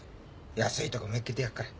安いとこ見っけてやっから。